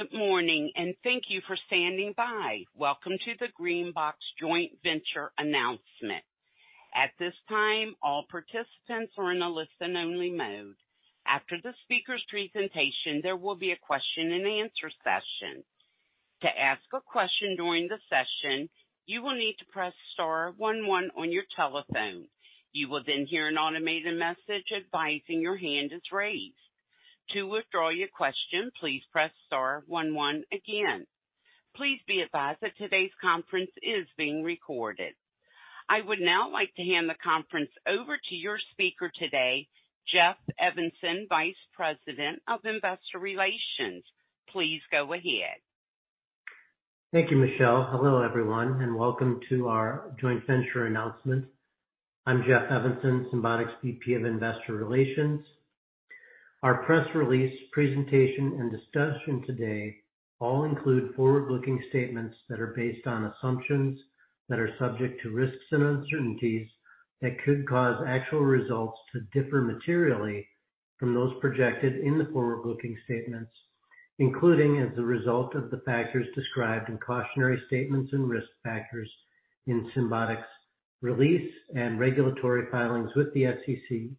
Good morning. Thank you for standing by. Welcome to the GreenBox Joint Venture announcement. At this time, all participants are in a listen-only mode. After the speaker's presentation, there will be a question-and-answer session. To ask a question during the session, you will need to press star one one on your telephone. You will hear an automated message advising your hand is raised. To withdraw your question, please press star one one again. Please be advised that today's conference is being recorded. I would now like to hand the conference over to your speaker today, Jeff Evanson, Vice President of Investor Relations. Please go ahead. Thank you, Michelle. Hello, everyone. Welcome to our joint venture announcement. I'm Jeff Evanson, Symbotic's VP of Investor Relations. Our press release, presentation, and discussion today all include forward-looking statements that are based on assumptions that are subject to risks and uncertainties that could cause actual results to differ materially from those projected in the forward-looking statements, including as a result of the factors described in cautionary statements and risk factors in Symbotic's release and regulatory filings with the SEC,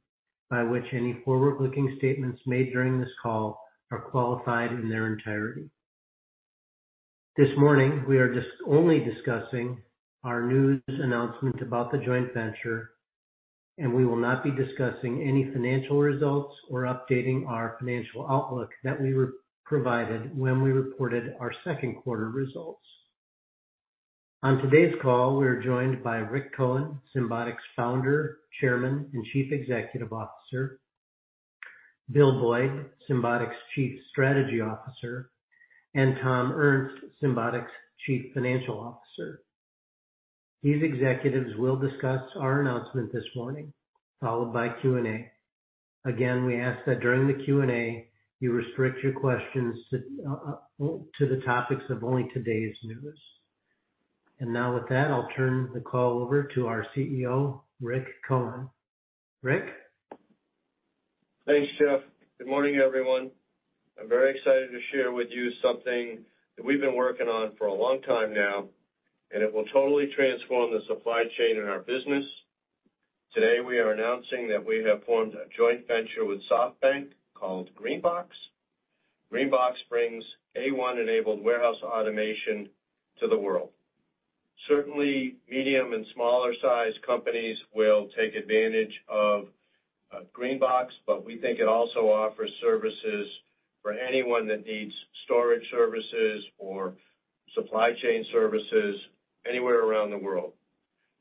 by which any forward-looking statements made during this call are qualified in their entirety. This morning, we are just only discussing our news announcement about the joint venture. We will not be discussing any financial results or updating our financial outlook that we provided when we reported our second quarter results. On today's call, we are joined by Rick Cohen, Symbotic's Founder, Chairman, and Chief Executive Officer, Bill Boyd, Symbotic's Chief Strategy Officer, and Tom Ernst, Symbotic's Chief Financial Officer. These executives will discuss our announcement this morning, followed by Q&A. Again, we ask that during the Q&A, you restrict your questions to the topics of only today's news. Now with that, I'll turn the call over to our CEO, Rick Cohen. Rick? Thanks, Jeff. Good morning, everyone. I'm very excited to share with you something that we've been working on for a long time now, and it will totally transform the supply chain in our business. Today, we are announcing that we have formed a joint venture with SoftBank called GreenBox. GreenBox brings A.I.-enabled warehouse automation to the world. Certainly, medium and smaller-sized companies will take advantage of GreenBox, but we think it also offers services for anyone that needs storage services or supply chain services anywhere around the world.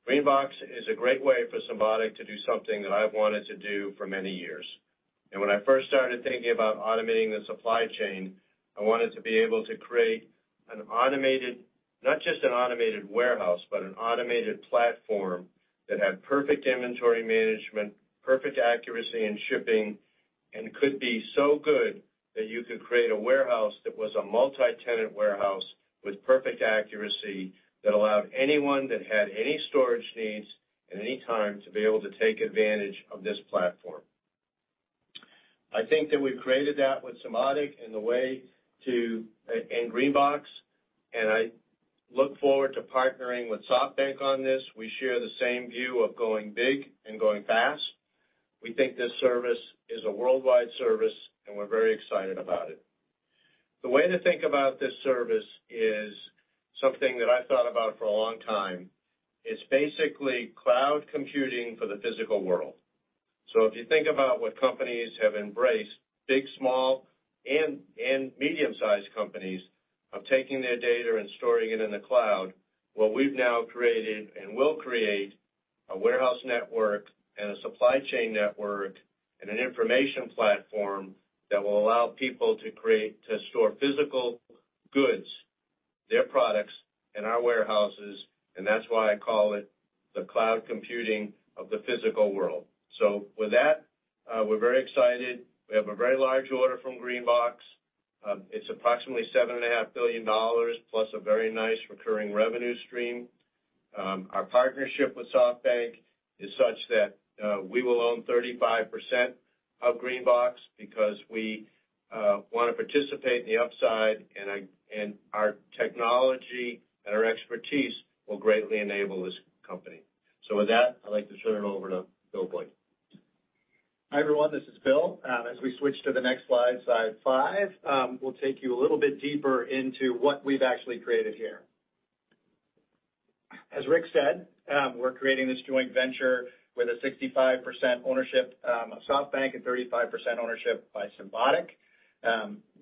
GreenBox is a great way for Symbotic to do something that I've wanted to do for many years. When I first started thinking about automating the supply chain, I wanted to be able to create not just an automated warehouse, but an automated platform that had perfect inventory management, perfect accuracy in shipping, and could be so good that you could create a warehouse that was a multi-tenant warehouse with perfect accuracy that allowed anyone that had any storage needs at any time to be able to take advantage of this platform. I think that we've created that with Symbotic in the way to in GreenBox, and I look forward to partnering with SoftBank on this. We share the same view of going big and going fast. We think this service is a worldwide service, and we're very excited about it. The way to think about this service is something that I've thought about for a long time. It's basically cloud computing for the physical world. If you think about what companies have embraced, big, small, and medium-sized companies, of taking their data and storing it in the cloud, what we've now created and will create a warehouse network and a supply chain network and an information platform that will allow people to store physical goods, their products, in our warehouses, and that's why I call it the cloud computing of the physical world. With that, we're very excited. We have a very large order from GreenBox. It's approximately $7.5 billion, plus a very nice recurring revenue stream. Our partnership with SoftBank is such that we will own 35% of GreenBox because we want to participate in the upside, and our technology and our expertise will greatly enable this company. With that, I'd like to turn it over to Bill Boyd. Hi, everyone, this is Bill. As we switch to the next slide five, we'll take you a little bit deeper into what we've actually created here. As Rick said, we're creating this joint venture with a 65% ownership of SoftBank and 35% ownership by Symbotic.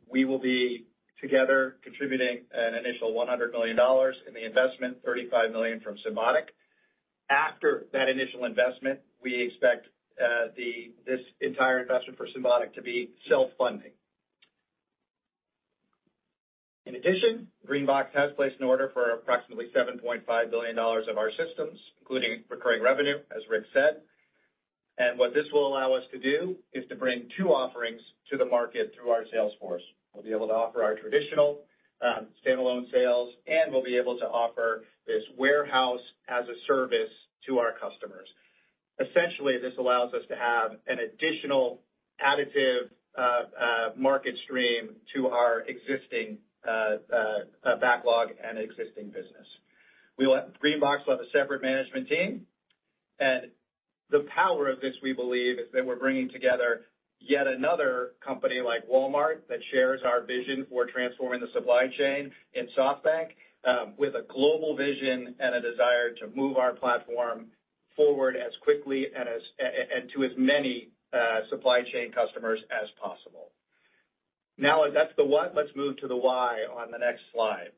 We will be together contributing an initial $100 million in the investment, $35 million from Symbotic. After that initial investment, we expect this entire investment for Symbotic to be self-funding. In addition, GreenBox has placed an order for approximately $7.5 billion of our systems, including recurring revenue, as Rick said. What this will allow us to do is to bring two offerings to the market through our sales force. We'll be able to offer our traditional, standalone sales, and we'll be able to offer this warehouse-as-a-service to our customers. Essentially, this allows us to have an additional additive market stream to our existing backlog and existing business. GreenBox will have a separate management team. The power of this, we believe, is that we're bringing together yet another company like Walmart, that shares our vision for transforming the supply chain in SoftBank, with a global vision and a desire to move our platform forward as quickly and to as many supply chain customers as possible. That's the what. Let's move to the why on the next slide.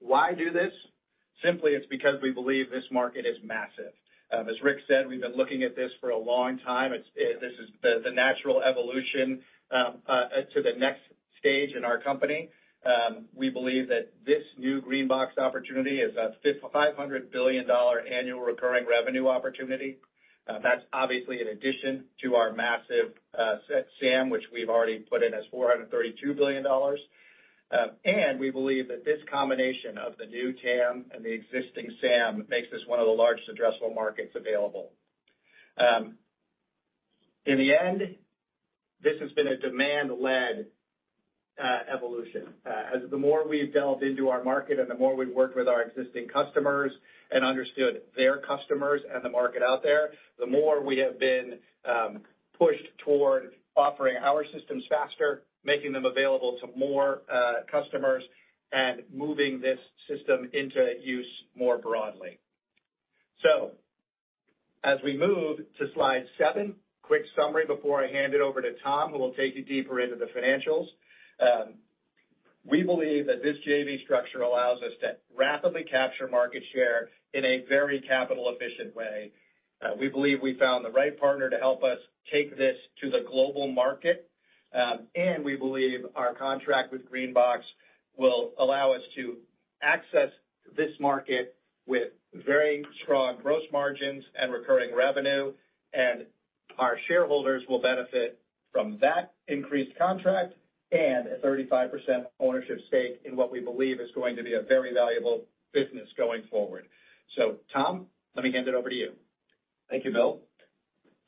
Why do this? Simply, it's because we believe this market is massive. As Rick said, we've been looking at this for a long time. It's, this is the natural evolution to the next stage in our company. We believe that this new GreenBox opportunity is a $500 billion annual recurring revenue opportunity. That's obviously in addition to our massive set SAM, which we've already put in as $432 billion. We believe that this combination of the new TAM and the existing SAM, makes this one of the largest addressable markets available. In the end, this has been a demand-led evolution. As the more we've delved into our market and the more we've worked with our existing customers, and understood their customers and the market out there, the more we have been pushed toward offering our systems faster, making them available to more customers, and moving this system into use more broadly. As we move to slide seven, quick summary before I hand it over to Tom, who will take you deeper into the financials. We believe that this JV structure allows us to rapidly capture market share in a very capital efficient way. We believe we found the right partner to help us take this to the global market, and we believe our contract with GreenBox will allow us to access this market with very strong gross margins and recurring revenue, and our shareholders will benefit from that increased contract, and a 35% ownership stake in what we believe is going to be a very valuable business going forward. Tom, let me hand it over to you. Thank you, Bill.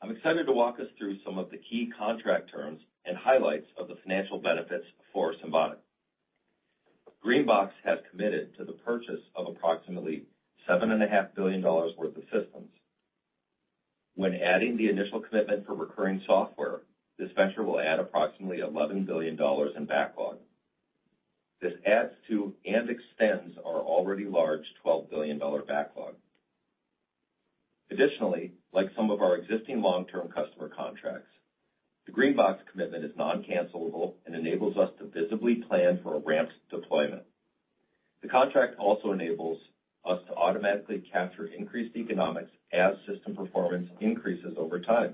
I'm excited to walk us through some of the key contract terms and highlights of the financial benefits for Symbotic. GreenBox has committed to the purchase of approximately $7.5 billion worth of systems. When adding the initial commitment for recurring software, this venture will add approximately $11 billion in backlog. This adds to and extends our already large $12 billion backlog. Additionally, like some of our existing long-term customer contracts, the GreenBox commitment is non-cancellable and enables us to visibly plan for a ramped deployment. The contract also enables us to automatically capture increased economics as system performance increases over time.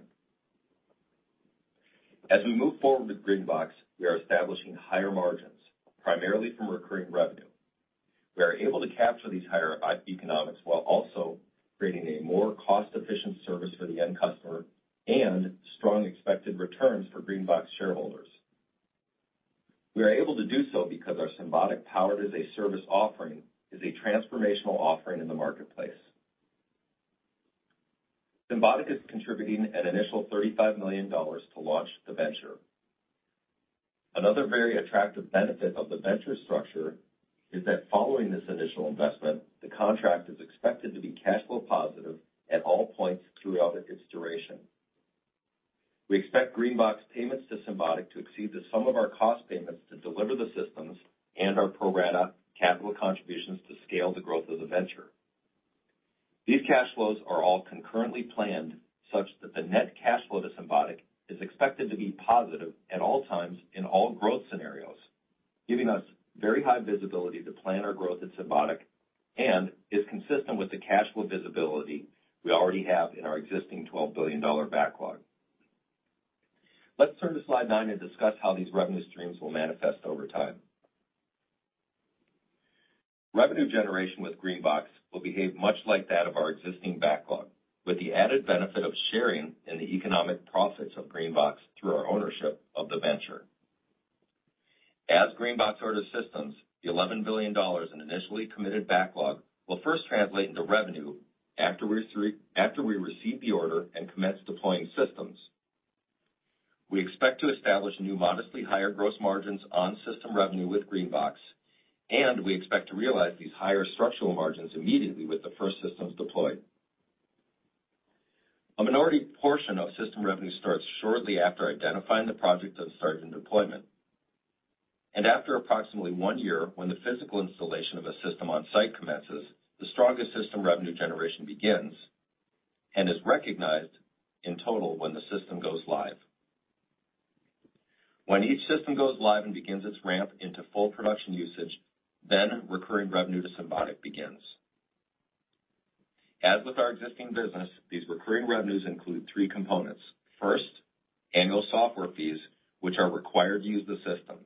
As we move forward with GreenBox, we are establishing higher margins, primarily from recurring revenue. We are able to capture these higher economics, while also creating a more cost-efficient service for the end customer and strong expected returns for GreenBox shareholders. We are able to do so because our Symbotic-powered-as-a-service offering is a transformational offering in the marketplace. Symbotic is contributing an initial $35 million to launch the venture. Another very attractive benefit of the venture structure is that following this initial investment, the contract is expected to be cash flow positive at all points throughout its duration. We expect GreenBox payments to Symbotic to exceed the sum of our cost payments to deliver the systems, and our pro rata capital contributions to scale the growth of the venture. These cash flows are all concurrently planned, such that the net cash flow to Symbotic is expected to be positive at all times in all growth scenarios, giving us very high visibility to plan our growth at Symbotic, and is consistent with the cash flow visibility we already have in our existing $12 billion backlog. Let's turn to slide nine and discuss how these revenue streams will manifest over time. Revenue generation with GreenBox will behave much like that of our existing backlog, with the added benefit of sharing in the economic profits of GreenBox through our ownership of the venture. As GreenBox orders systems, the $11 billion in initially committed backlog will first translate into revenue after we receive the order and commence deploying systems. We expect to establish new, modestly higher gross margins on system revenue with GreenBox, we expect to realize these higher structural margins immediately with the first systems deployed. A minority portion of system revenue starts shortly after identifying the project and starting deployment. After approximately 1 year, when the physical installation of a system on site commences, the strongest system revenue generation begins and is recognized in total when the system goes live. When each system goes live and begins its ramp into full production usage, recurring revenue to Symbotic begins. As with our existing business, these recurring revenues include three components. First, annual software fees, which are required to use the system.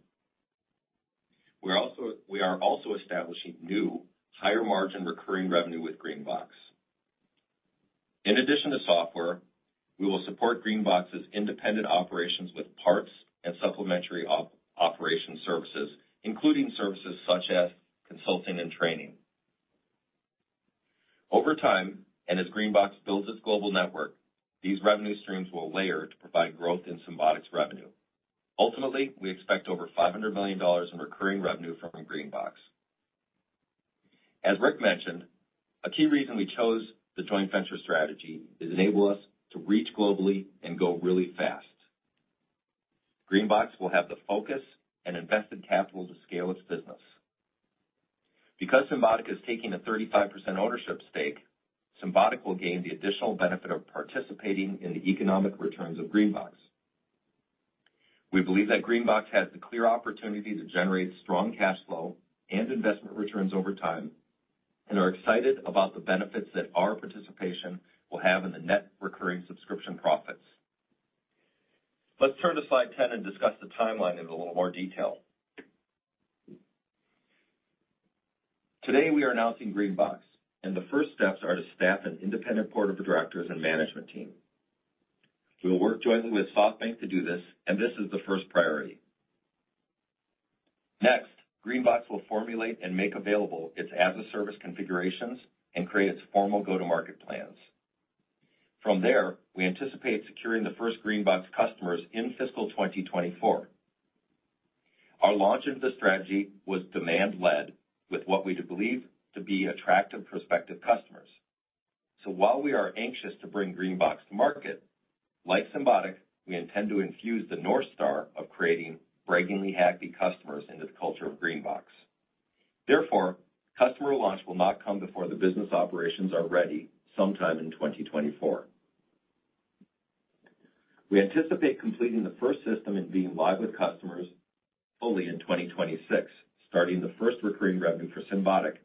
We are also establishing new, higher-margin recurring revenue with GreenBox. In addition to software-... We will support GreenBox's independent operations with parts and supplementary operation services, including services such as consulting and training. Over time, and as GreenBox builds its global network, these revenue streams will layer to provide growth in Symbotic's revenue. Ultimately, we expect over $500 million in recurring revenue from GreenBox. As Rick mentioned, a key reason we chose the joint venture strategy is enable us to reach globally and go really fast. GreenBox will have the focus and invested capital to scale its business. Because Symbotic is taking a 35% ownership stake, Symbotic will gain the additional benefit of participating in the economic returns of GreenBox. We believe that GreenBox has the clear opportunity to generate strong cash flow and investment returns over time, and are excited about the benefits that our participation will have in the net recurring subscription profits. Let's turn to slide 10 and discuss the timeline in a little more detail. Today, we are announcing GreenBox, the first steps are to staff an independent board of directors and management team. We will work jointly with SoftBank to do this is the first priority. Next, GreenBox will formulate and make available its as-a-service configurations and create its formal go-to-market plans. From there, we anticipate securing the first GreenBox customers in fiscal 2024. Our launch of the strategy was demand-led, with what we believe to be attractive prospective customers. While we are anxious to bring GreenBox to market, like Symbotic, we intend to infuse the North Star of creating breathtakingly happy customers into the culture of GreenBox. Therefore, customer launch will not come before the business operations are ready sometime in 2024. We anticipate completing the first system and being live with customers fully in 2026, starting the first recurring revenue for Symbotic,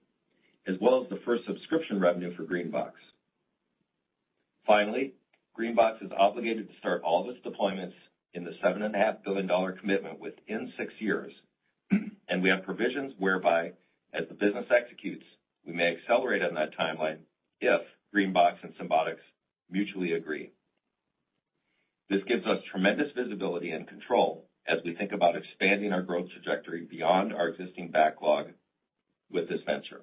as well as the first subscription revenue for GreenBox. Finally, GreenBox is obligated to start all of its deployments in the seven and a half billion dollar commitment within six years, and we have provisions whereby, as the business executes, we may accelerate on that timeline if GreenBox and Symbotic's mutually agree. This gives us tremendous visibility and control as we think about expanding our growth trajectory beyond our existing backlog with this venture.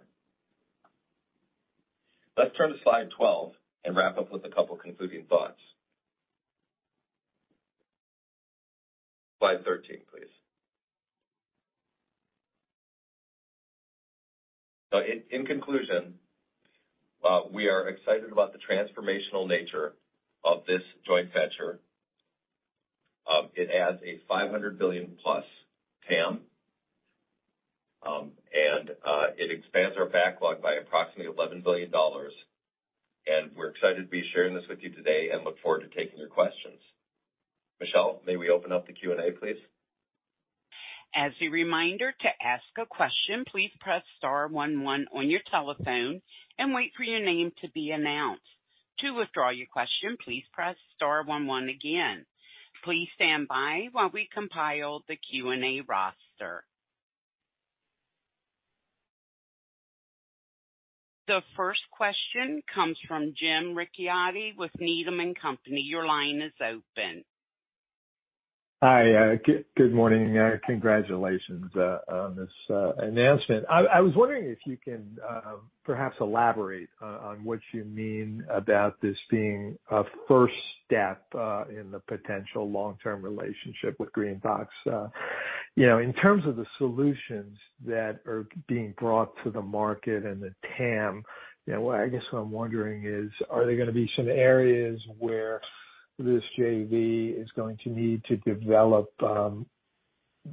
Let's turn to Slide 12 and wrap up with a couple of concluding thoughts. Slide 13, please. In conclusion, we are excited about the transformational nature of this joint venture. It adds a $500 billion-plus TAM, and it expands our backlog by approximately $11 billion. We're excited to be sharing this with you today and look forward to taking your questions. Michelle, may we open up the Q&A, please? As a reminder to ask a question, please press star one one on your telephone and wait for your name to be announced. To withdraw your question, please press star one one again. Please stand by while we compile the Q&A roster. The first question comes from Jim Ricchiuti with Needham & Company. Your line is open. Hi, good morning, congratulations, on this announcement. I was wondering if you can perhaps elaborate on what you mean about this being a first step in the potential long-term relationship with GreenBox. You know, in terms of the solutions that are being brought to the market and the TAM, you know, I guess what I'm wondering is, are there gonna be some areas where this JV is going to need to develop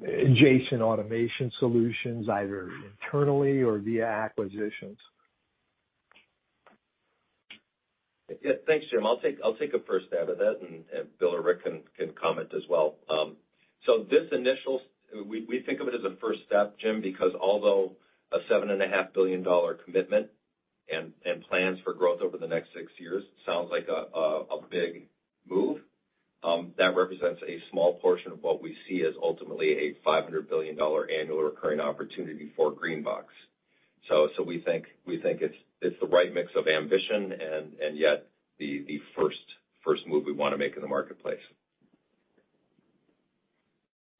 adjacent automation solutions, either internally or via acquisitions? Yeah. Thanks, Jim. I'll take a first stab at that, and Bill or Rick can comment as well. We think of it as a first step, Jim, because although a $7.5 billion commitment and plans for growth over the next six years sounds like a big move, that represents a small portion of what we see as ultimately a $500 billion annual recurring opportunity for GreenBox. We think it's the right mix of ambition and yet the first move we wanna make in the marketplace.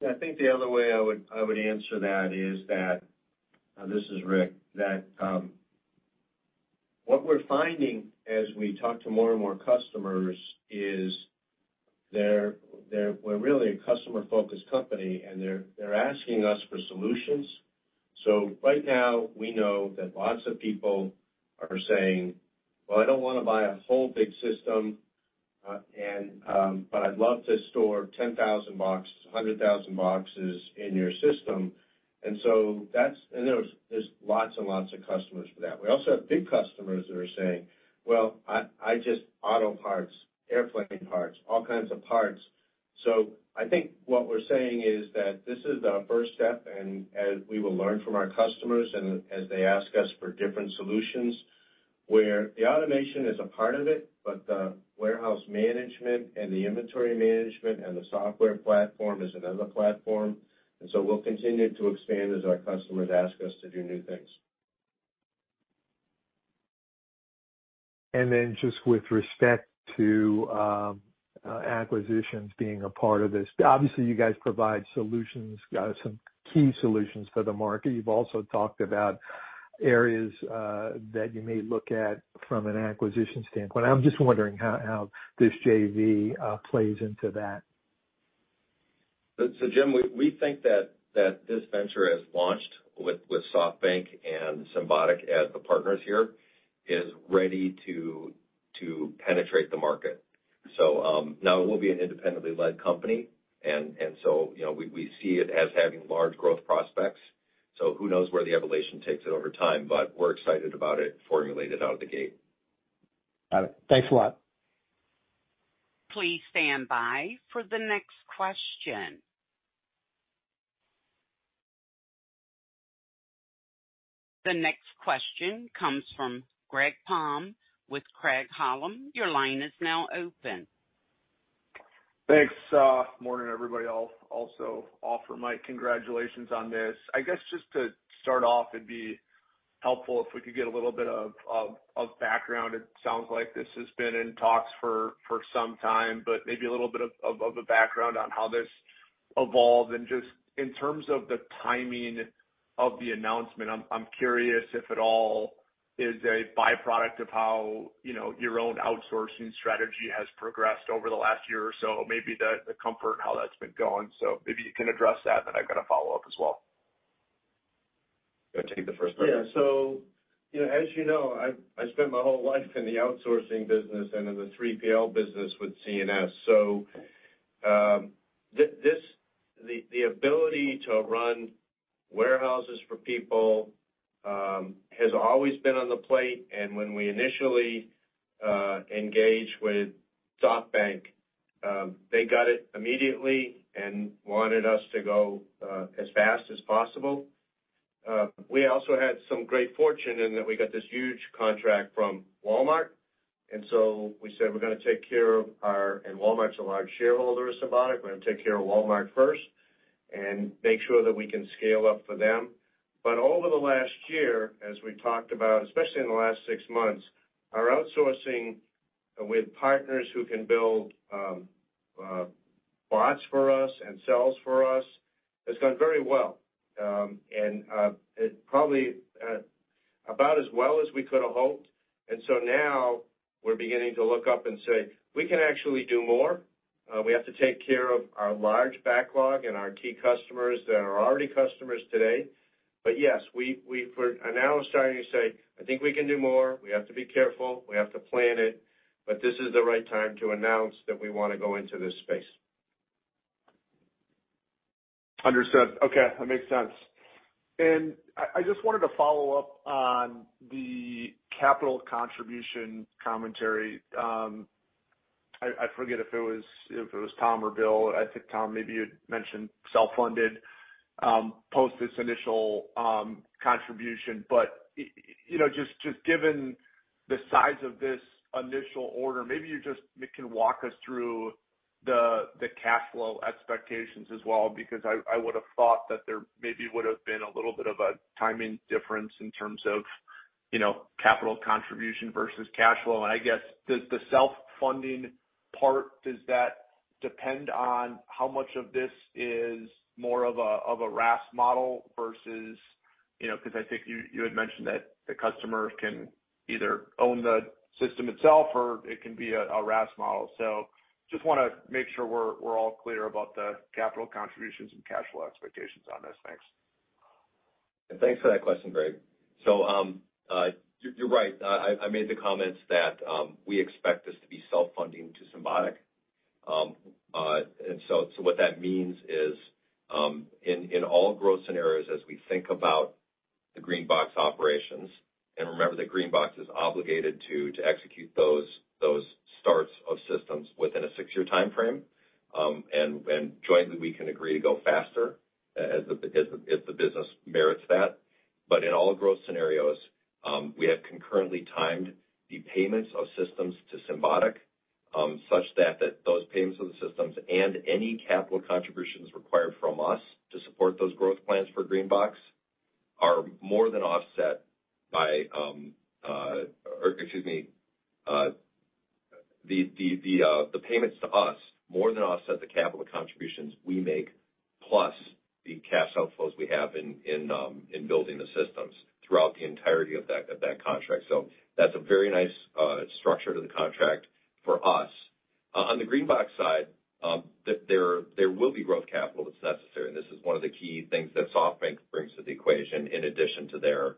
I think the other way I would answer that is that, this is Rick, that, what we're finding as we talk to more and more customers is we're really a customer-focused company, and they're asking us for solutions. Right now, we know that lots of people are saying, "Well, I don't want to buy a whole big system, and, but I'd love to store 10,000 boxes, 100,000 boxes in your system." There's lots and lots of customers for that. We also have big customers that are saying, "Well, I just auto parts, airplane parts, all kinds of parts." I think what we're saying is that this is the first step, and as we will learn from our customers and as they ask us for different solutions, where the automation is a part of it, but the warehouse management and the inventory management and the software platform is another platform. We'll continue to expand as our customers ask us to do new things. ... Just with respect to acquisitions being a part of this, obviously, you guys provide solutions, some key solutions for the market. You've also talked about areas that you may look at from an acquisition standpoint. I'm just wondering how this JV plays into that? Jim, we think that this venture has launched with SoftBank and Symbotic as the partners here, is ready to penetrate the market. Now it will be an independently led company, and so, you know, we see it as having large growth prospects. Who knows where the evolution takes it over time, but we're excited about it, formulated out of the gate. Got it. Thanks a lot. Please stand by for the next question. The next question comes from Greg Palm with Craig-Hallum. Your line is now open. Thanks, Morning, everybody else. Also offer my congratulations on this. I guess just to start off, it'd be helpful if we could get a little bit of background. It sounds like this has been in talks for some time, but maybe a little bit of a background on how this evolved. Just in terms of the timing of the announcement, I'm curious if at all is a byproduct of how, you know, your own outsourcing strategy has progressed over the last year or so, maybe the comfort, how that's been going. Maybe you can address that, then I've got a follow-up as well. You want to take the first part? Yeah. You know, as you know, I spent my whole life in the outsourcing business and in the 3PL business with C&S. This ability to run warehouses for people has always been on the plate, and when we initially engaged with SoftBank, they got it immediately and wanted us to go as fast as possible. We also had some great fortune in that we got this huge contract from Walmart, we said: We're gonna take care of our... Walmart's a large shareholder of Symbotic. We're gonna take care of Walmart first and make sure that we can scale up for them. Over the last year, as we talked about, especially in the last six months, our outsourcing with partners who can build bots for us and cells for us, has gone very well. It probably about as well as we could have hoped. Now we're beginning to look up and say: We can actually do more. We have to take care of our large backlog and our key customers that are already customers today. Yes, we are now starting to say, "I think we can do more. We have to be careful. We have to plan it, but this is the right time to announce that we want to go into this space. Understood. Okay, that makes sense. I just wanted to follow up on the capital contribution commentary. I forget if it was Tom or Bill. I think, Tom, maybe you'd mentioned self-funded post this initial contribution. You know, just given the size of this initial order, maybe you just can walk us through the cash flow expectations as well, because I would've thought that there maybe would've been a little bit of a timing difference in terms of, you know, capital contribution versus cash flow. I guess the self-funding part, does that depend on how much of this is more of a RaaS model versus, you know, because I think you had mentioned that the customer can either own the system itself or it can be a RaaS model. Just wanna make sure we're all clear about the capital contributions and cash flow expectations on this. Thanks. Thanks for that question, Greg. You're right. I made the comments that we expect this to be self-funding to Symbotic. What that means is in all growth scenarios, as we think about the GreenBox operations, and remember that GreenBox is obligated to execute those starts of systems within a three year timeframe. Jointly, we can agree to go faster, as the, if the business merits that. In all growth scenarios, we have concurrently timed the payments of systems to Symbotic, such that those payments of the systems and any capital contributions required from us to support those growth plans for GreenBox are more than offset by... Excuse me, the payments to us more than offset the capital contributions we make, plus the cash outflows we have in building the systems throughout the entirety of that contract. That's a very nice structure to the contract for us. On the GreenBox side, there will be growth capital that's necessary, and this is one of the key things that SoftBank brings to the equation in addition to their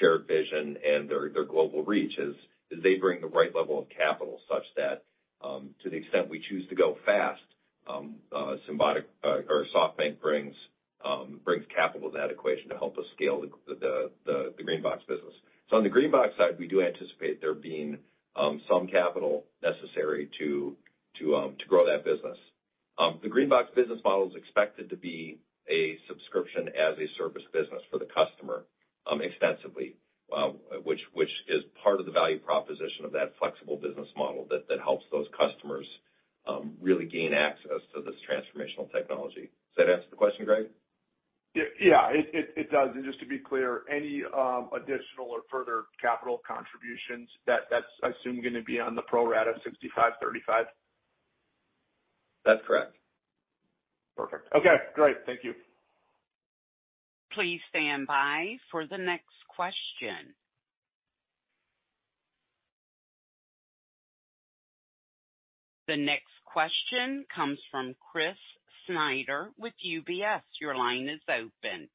shared vision and their global reach is they bring the right level of capital such that, to the extent we choose to go fast, Symbotic or SoftBank brings capital to that equation to help us scale the GreenBox business. On the GreenBox side, we do anticipate there being some capital necessary to grow that business. The GreenBox business model is expected to be a subscription-as-a-service business for the customer, extensively, which is part of the value proposition of that flexible business model that helps those customers.... really gain access to this transformational technology. Does that answer the question, Greg? Yeah, it does. Just to be clear, any additional or further capital contributions, that's, I assume, gonna be on the pro rata 65-35? That's correct. Perfect. Okay, great. Thank you. Please stand by for the next question. The next question comes from Chris Snyder with UBS. Your line is open.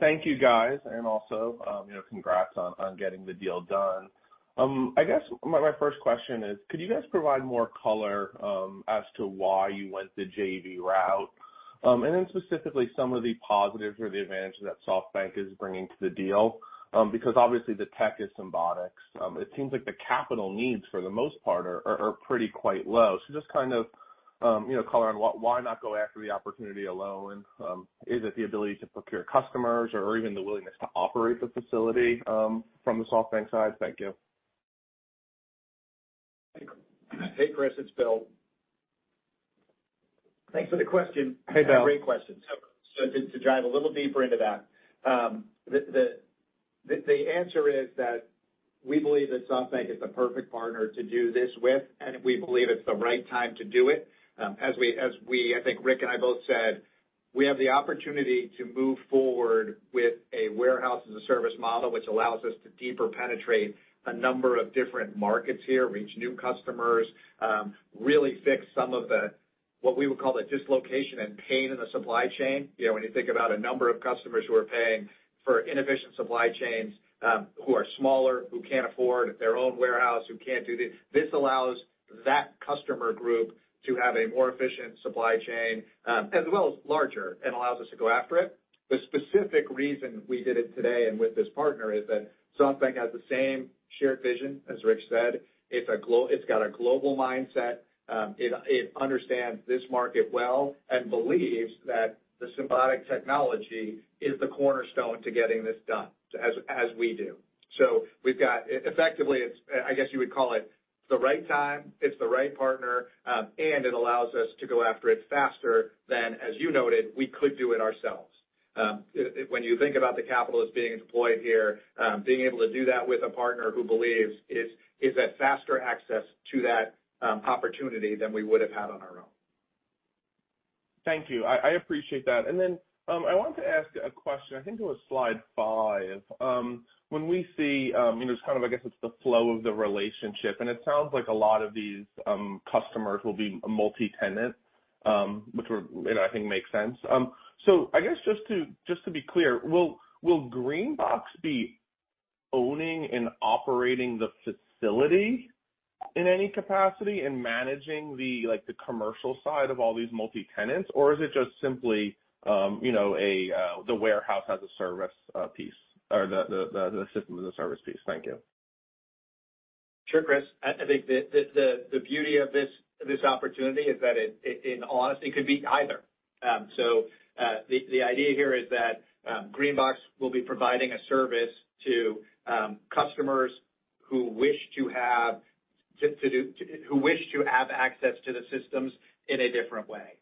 Thank you, guys. You know, congrats on getting the deal done. I guess my first question is, could you guys provide more color as to why you went the JV route? Specifically, some of the positives or the advantages that SoftBank is bringing to the deal, because obviously, the tech is Symbotic. It seems like the capital needs for the most part are pretty quite low. Just kind of, you know, color on why not go after the opportunity alone? Is it the ability to procure customers or even the willingness to operate the facility from the SoftBank side? Thank you. Hey, Chris, it's Bill. Thanks for the question. Hey, Bill. Great question. To drive a little deeper into that, the answer is that we believe that SoftBank is the perfect partner to do this with, and we believe it's the right time to do it. As Rick and I both said, we have the opportunity to move forward with a warehouse-as-a-service model, which allows us to deeper penetrate a number of different markets here, reach new customers, really fix some of the, what we would call the dislocation and pain in the supply chain. You know, when you think about a number of customers who are paying for inefficient supply chains, who are smaller, who can't afford their own warehouse, who can't do this. This allows that customer group to have a more efficient supply chain, as well as larger, and allows us to go after it. The specific reason we did it today and with this partner, is that SoftBank has the same shared vision, as Rick said. It's got a global mindset, it understands this market well and believes that the Symbotic technology is the cornerstone to getting this done, as we do. We've got effectively, it's, I guess you would call it, the right time, it's the right partner, and it allows us to go after it faster than, as you noted, we could do it ourselves. When you think about the capital that's being deployed here, being able to do that with a partner who believes is a faster access to that opportunity than we would have had on our own. Thank you. I appreciate that. I wanted to ask a question, I think it was slide five. When we see, you know, kind of I guess it's the flow of the relationship, and it sounds like a lot of these customers will be multi-tenant, which I think makes sense. I guess just to, just to be clear, will GreenBox be owning and operating the facility in any capacity, and managing the, like, the commercial side of all these multi-tenants? Is it just simply, you know, a the warehouse-as-a-service piece or the system as a service piece? Thank you. Sure, Chris. I think the beauty of this opportunity is that it, in honesty, could be either. The idea here is that GreenBox will be providing a service to customers who wish to have access to the systems in a different way.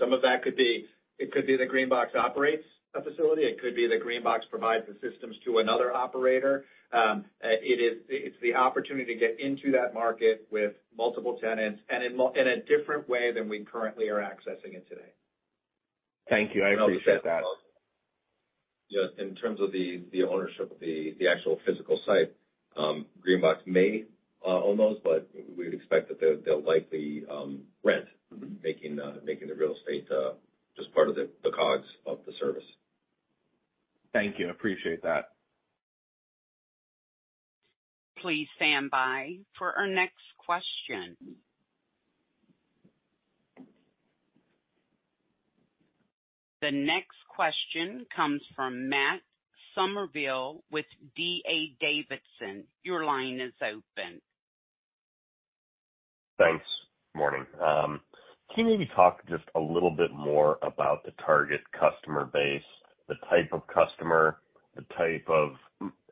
Some of that could be, it could be that GreenBox operates a facility, it could be that GreenBox provides the systems to another operator. It's the opportunity to get into that market with multiple tenants and in a different way than we currently are accessing it today. Thank you. I appreciate that. Yes, in terms of the ownership of the actual physical site, GreenBox may own those, but we would expect that they'll likely rent, making the real estate just part of the cogs of the service. Thank you. I appreciate that. Please stand by for our next question. The next question comes from Matt Summerville with D.A. Davidson. Your line is open. Thanks. Morning. Can you maybe talk just a little bit more about the target customer base, the type of customer, the type of...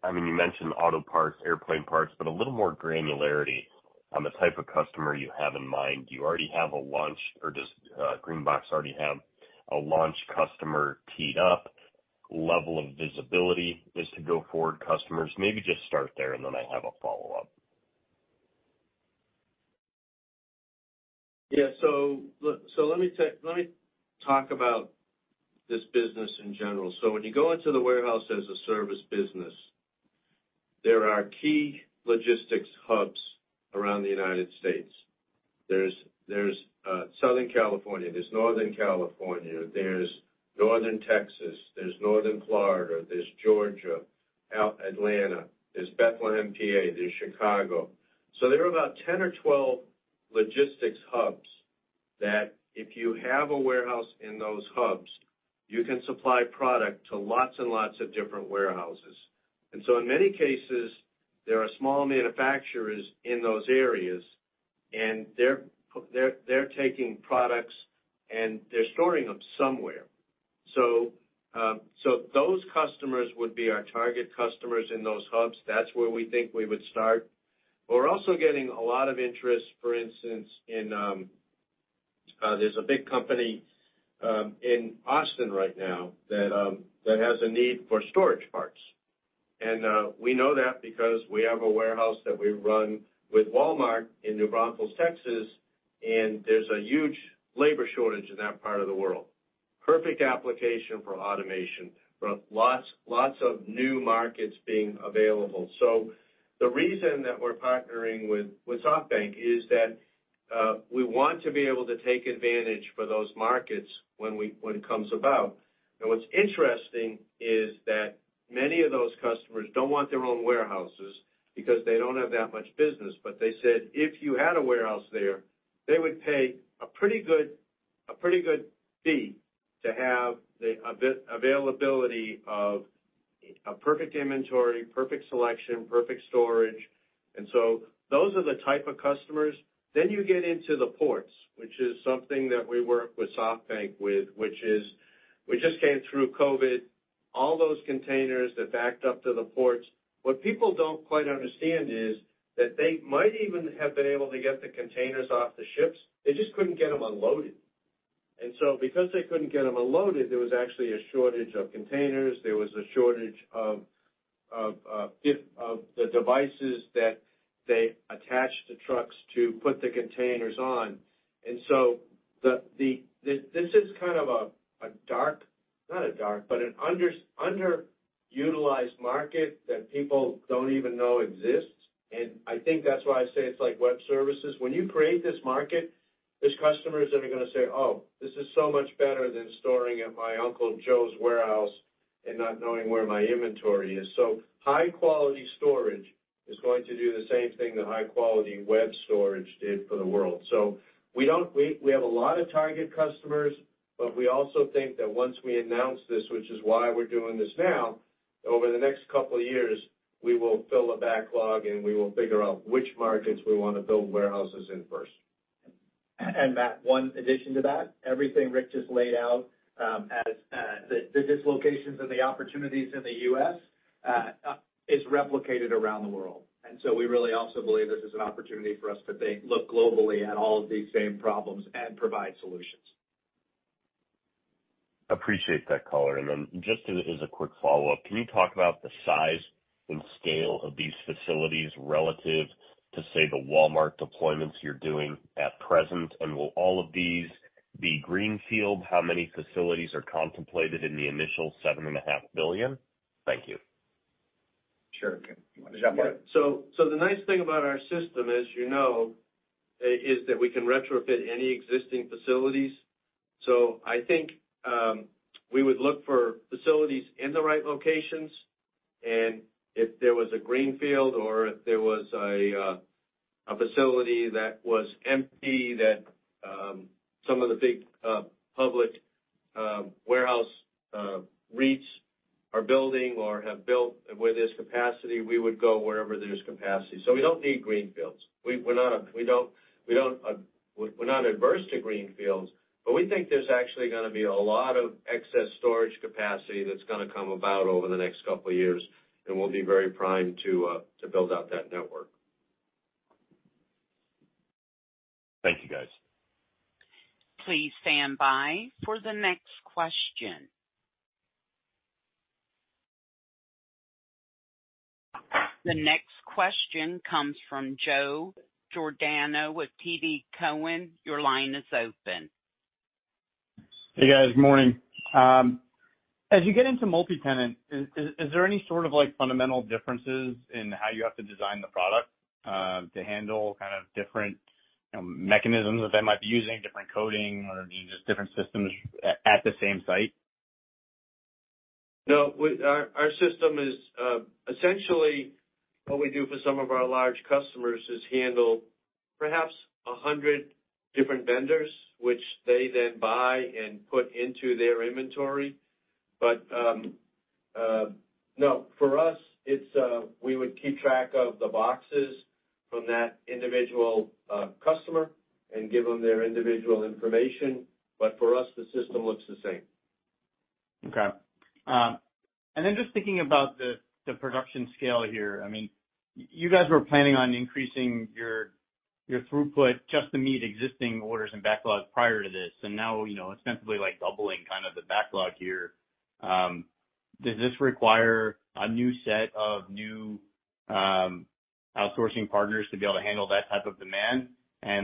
I mean, you mentioned auto parts, airplane parts, but a little more granularity on the type of customer you have in mind? Do you already have a launch or does GreenBox already have a launch customer teed up? Level of visibility is to go forward customers? Maybe just start there, and then I have a follow-up. Yeah. Let me talk about this business in general. When you go into the warehouse-as-a-service business, there are key logistics hubs around the United States. There's Southern California, there's Northern California, there's Northern Texas, there's Northern Florida, there's Georgia, out Atlanta, there's Bethlehem, PA, there's Chicago. There are about 10 or 12 logistics hubs, that if you have a warehouse in those hubs, you can supply product to lots and lots of different warehouses. In many cases, there are small manufacturers in those areas, and they're taking products and they're storing them somewhere. Those customers would be our target customers in those hubs. That's where we think we would start. We're also getting a lot of interest, for instance, in there's a big company in Austin right now that has a need for storage parts. We know that because we have a warehouse that we run with Walmart in New Braunfels, Texas, and there's a huge labor shortage in that part of the world. Perfect application for automation, lots of new markets being available. The reason that we're partnering with SoftBank is that we want to be able to take advantage for those markets when it comes about. What's interesting is that many of those customers don't want their own warehouses because they don't have that much business. They said, if you had a warehouse there, they would pay a pretty good fee to have the availability of a perfect inventory, perfect selection, perfect storage. Those are the type of customers. You get into the ports, which is something that we work with SoftBank with, which is, we just came through COVID, all those containers that backed up to the ports. What people don't quite understand is that they might even have been able to get the containers off the ships. They just couldn't get them unloaded. Because they couldn't get them unloaded, there was actually a shortage of containers. There was a shortage of the devices that they attached to trucks to put the containers on. The, this is kind of a dark... Not a dark, but an underutilized market that people don't even know exists. I think that's why I say it's like web services. When you create this market, there's customers that are gonna say, "Oh, this is so much better than storing at my Uncle Joe's warehouse and not knowing where my inventory is." High-quality storage is going to do the same thing that high-quality web storage did for the world. We don't, we have a lot of target customers, but we also think that once we announce this, which is why we're doing this now, over the next couple of years, we will fill a backlog, and we will figure out which markets we want to build warehouses in first. Matt, one addition to that, everything Rick just laid out, as the dislocations and the opportunities in the U.S., is replicated around the world. We really also believe this is an opportunity for us to think, look globally at all of these same problems and provide solutions. Appreciate that, Cohen. Just as a quick follow-up, can you talk about the size and scale of these facilities relative to, say, the Walmart deployments you're doing at present? Will all of these be greenfield? How many facilities are contemplated in the initial seven and a half billion dollars? Thank you. Sure. Do you want to jump in? The nice thing about our system, as you know, is that we can retrofit any existing facilities. I think, we would look for facilities in the right locations, and if there was a greenfield or if there was a facility that was empty, that some of the big public warehouse REITs are building or have built where there's capacity, we would go wherever there's capacity. We don't need greenfields. We're not adverse to greenfields, but we think there's actually gonna be a lot of excess storage capacity that's gonna come about over the next couple of years, and we'll be very primed to build out that network. Thank you, guys. Please stand by for the next question. The next question comes from Joe Giordano with TD Cowen. Your line is open. Hey, guys. Morning. As you get into multi-tenant, is there any sort of, like, fundamental differences in how you have to design the product, to handle kind of different mechanisms that they might be using, different coding or just different systems at the same site? No, our system is essentially what we do for some of our large customers is handle perhaps 100 different vendors, which they then buy and put into their inventory. No, for us, it's, we would keep track of the boxes from that individual customer and give them their individual information. For us, the system looks the same. Okay. Just thinking about the production scale here, I mean, you guys were planning on increasing your throughput just to meet existing orders and backlogs prior to this, and now, you know, ostensibly, like, doubling kind of the backlog here. Does this require a new set of new outsourcing partners to be able to handle that type of demand?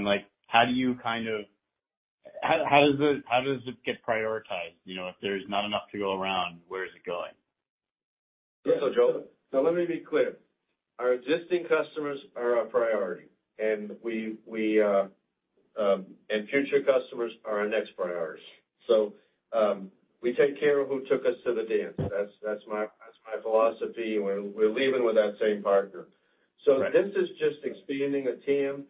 Like, how does it get prioritized? You know, if there's not enough to go around, where is it going? Yeah. Joe, let me be clear. Our existing customers are our priority, and we, and future customers are our next priority. We take care of who took us to the dance. That's my philosophy, and we're leaving with that same partner. Right. This is just expanding the team.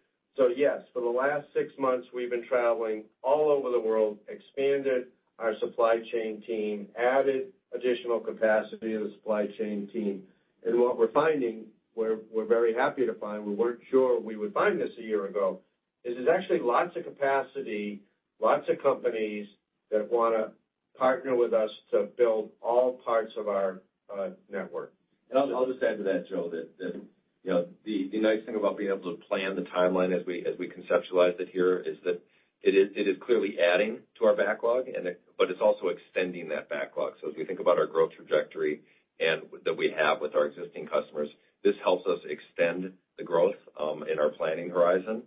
Yes, for the last six months, we've been traveling all over the world, expanded our supply chain team, added additional capacity to the supply chain team. What we're finding, we're very happy to find, we weren't sure we would find this a year ago.... is there's actually lots of capacity, lots of companies that wanna partner with us to build all parts of our network. I'll just add to that, Joe, that, you know, the nice thing about being able to plan the timeline as we conceptualize it here, is that it is clearly adding to our backlog, but it's also extending that backlog. As we think about our growth trajectory and that we have with our existing customers, this helps us extend the growth in our planning horizon.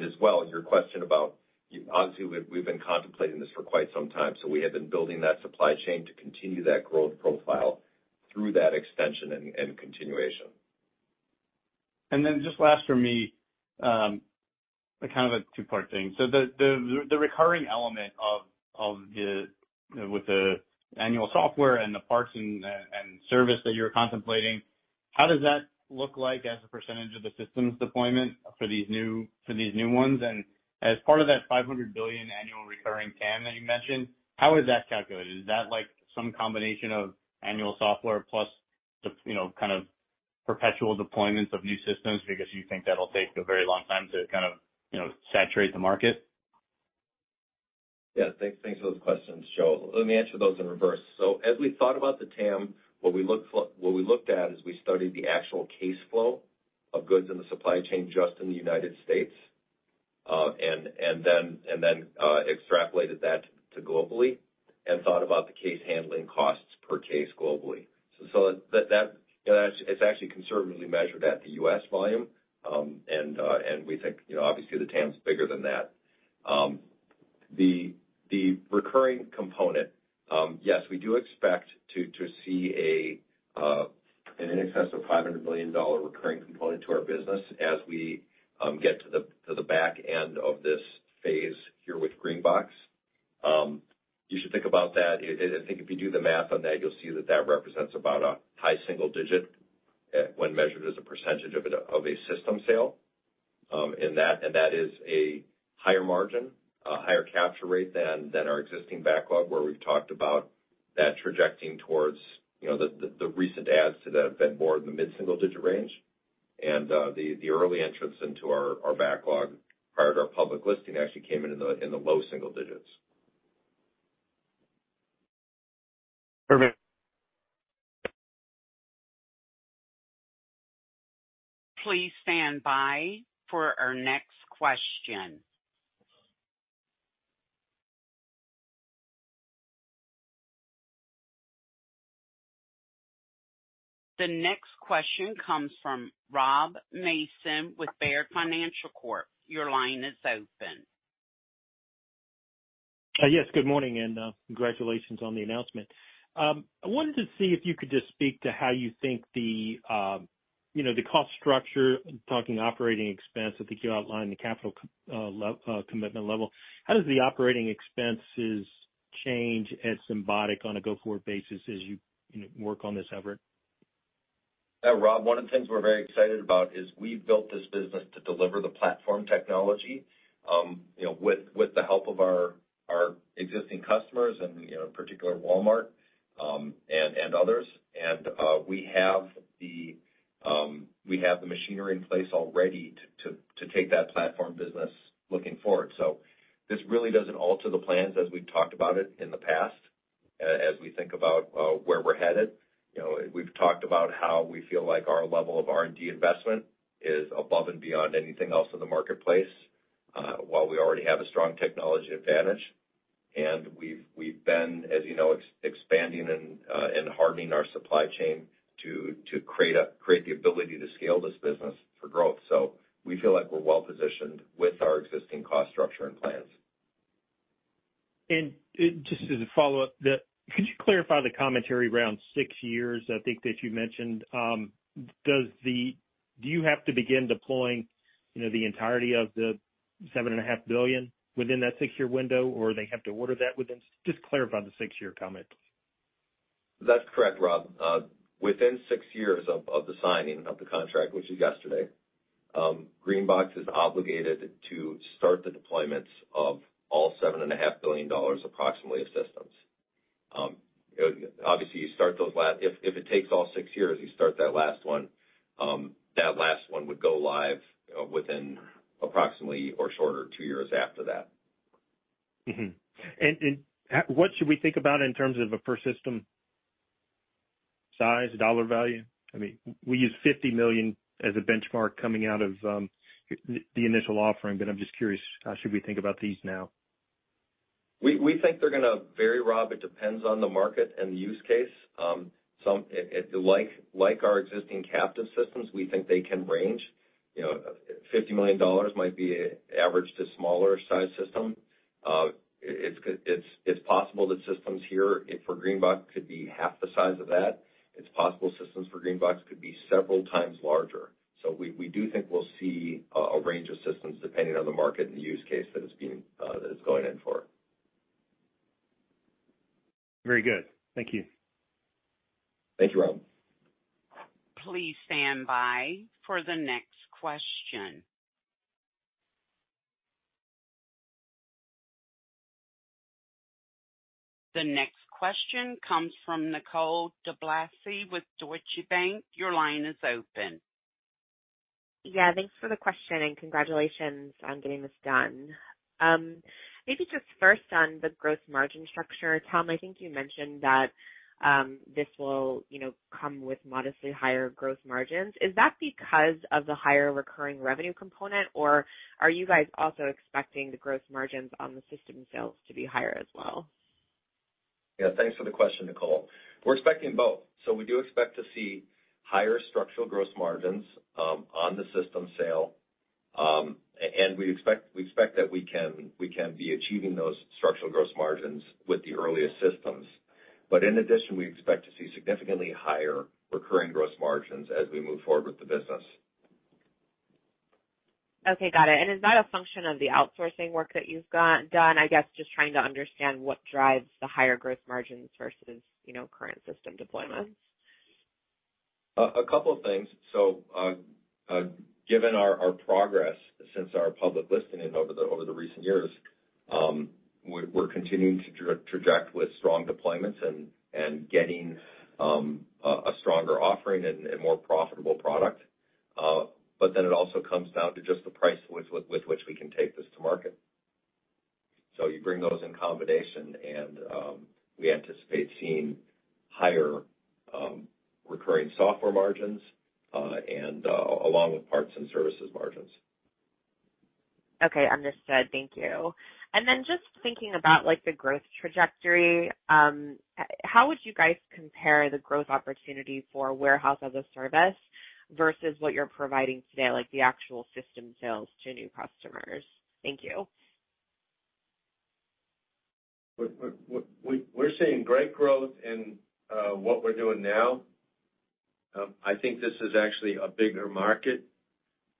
As well, your question about, obviously, we've been contemplating this for quite some time, so we have been building that supply chain to continue that growth profile through that extension and continuation. Just last for me, kind of a two-part thing. The recurring element of the with the annual software and the parts and service that you're contemplating, how does that look like as a percentage of the systems deployment for these new ones? As part of that $500 billion annual recurring TAM that you mentioned, how is that calculated? Is that like some combination of annual software plus the, you know, kind of perpetual deployments of new systems because you think that'll take a very long time to kind of, you know, saturate the market? Yeah, thanks. Thanks for those questions, Joe. Let me answer those in reverse. As we thought about the TAM, what we looked at is we studied the actual case flow of goods in the supply chain just in the United States, and then, extrapolated that to globally and thought about the case handling costs per case globally. So, that... It's actually conservatively measured at the U.S. volume. We think, you know, obviously, the TAM is bigger than that. The recurring component, yes, we do expect to see an in excess of $500 million recurring component to our business as we get to the back end of this phase here with GreenBox. You should think about that, I think if you do the math on that, you'll see that that represents about a high single-digit, when measured as a % of a system sale. That is a higher margin, a higher capture rate than our existing backlog, where we've talked about that trajecting towards, you know, the recent adds to that have been more in the mid-single-digit range. The early entrants into our backlog, prior to our public listing, actually came in in the low single-digits. Perfect. Please stand by for our next question. The next question comes from Rob Mason with Baird Financial Corp. Your line is open. Yes, good morning, and congratulations on the announcement. I wanted to see if you could just speak to how you think the, you know, the cost structure, talking operating expense, I think you outlined the capital commitment level. How does the operating expenses change at Symbotic on a go-forward basis as you know, work on this effort? Yeah, Rob, one of the things we're very excited about is we've built this business to deliver the platform technology, you know, with the help of our existing customers and, in particular, Walmart and others. We have the machinery in place already to take that platform business looking forward. This really doesn't alter the plans as we've talked about it in the past, as we think about where we're headed. You know, we've talked about how we feel like our level of R&D investment is above and beyond anything else in the marketplace, while we already have a strong technology advantage. We've been, as you know, expanding and hardening our supply chain to create the ability to scale this business for growth. We feel like we're well-positioned with our existing cost structure and plans. Just as a follow-up, could you clarify the commentary around six years, I think, that you mentioned? Do you have to begin deploying, you know, the entirety of the $7.5 billion within that 6-year window, or they have to order that within? Just clarify the six year comment, please. That's correct, Rob. Within six years of the signing of the contract, which is yesterday, GreenBox is obligated to start the deployments of all $7.5 billion, approximately, of systems. Obviously, you start those last. If it takes all six years, you start that last one, that last one would go live, within approximately or shorter, two years after that. Mm-hmm. What should we think about in terms of a per system size, dollar value? I mean, we use $50 million as a benchmark coming out of the initial offering, but I'm just curious, how should we think about these now? We think they're gonna vary, Rob. It depends on the market and the use case. Like our existing captive systems, we think they can range. You know, $50 million might be average to smaller size system. It's possible that systems here, if for GreenBox, could be half the size of that. It's possible systems for GreenBox could be several times larger. We do think we'll see a range of systems depending on the market and the use case that it's being that it's going in for. Very good. Thank you. Thank you, Rob. Please stand by for the next question. The next question comes from Nicole DeBlase with Deutsche Bank. Your line is open. Yeah, thanks for the question and congratulations on getting this done. Maybe just first on the gross margin structure, Tom, I think you mentioned that, this will, you know, come with modestly higher gross margins. Is that because of the higher recurring revenue component, or are you guys also expecting the gross margins on the system sales to be higher as well? Yeah, thanks for the question, Nicole. We're expecting both. We do expect to see higher structural gross margins on the system sale. And we expect that we can be achieving those structural gross margins with the earliest systems. In addition, we expect to see significantly higher recurring gross margins as we move forward with the business. Okay, got it. Is that a function of the outsourcing work that you've done? I guess just trying to understand what drives the higher growth margins versus, you know, current system deployments. A couple of things. Given our progress since our public listing and over the recent years, we're continuing to traject with strong deployments and getting a stronger offering and more profitable product. It also comes down to just the price with which we can take this to market. You bring those in combination, we anticipate seeing higher recurring software margins and along with parts and services margins. Okay, understood. Thank you. Just thinking about, like, the growth trajectory, how would you guys compare the growth opportunity for warehouse-as-a-service versus what you're providing today, like the actual system sales to new customers? Thank you. We're seeing great growth in what we're doing now. I think this is actually a bigger market.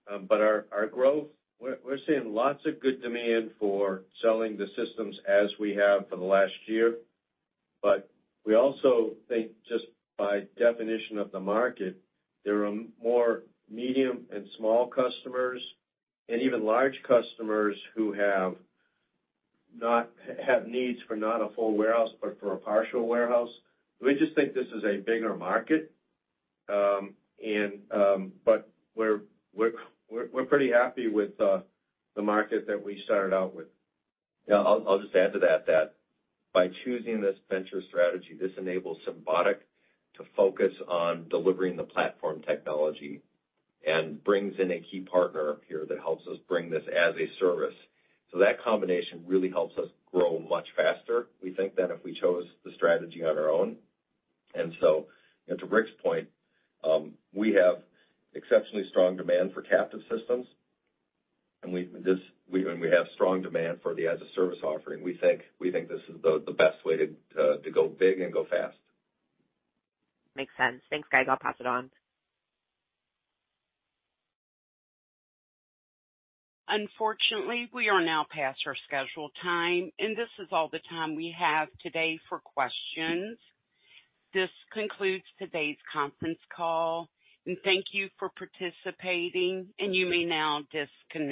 Our growth, we're seeing lots of good demand for selling the systems as we have for the last year. We also think, just by definition of the market, there are more medium and small customers, and even large customers who have needs for not a full warehouse, but for a partial warehouse. We just think this is a bigger market, but we're pretty happy with the market that we started out with. Yeah, I'll just add to that by choosing this venture strategy, this enables Symbotic to focus on delivering the platform technology and brings in a key partner here that helps us bring this as a service. That combination really helps us grow much faster, we think, than if we chose the strategy on our own. To Rick's point, we have exceptionally strong demand for captive systems, and we have strong demand for the as-a-service offering. We think this is the best way to go big and go fast. Makes sense. Thanks, guys. I'll pass it on. Unfortunately, we are now past our scheduled time. This is all the time we have today for questions. This concludes today's conference call. Thank you for participating. You may now disconnect.